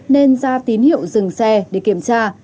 nên ra tín hiệu dừng xe để kiểm tra